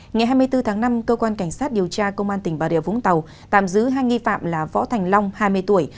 ngày hai mươi bốn tháng năm cơ quan cảnh sát điều tra công an tỉnh bà rịa vũng tàu tạm giữ hai nghi phạm là võ thành long hai mươi tuổi